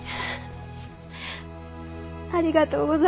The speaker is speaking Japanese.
ありがとう。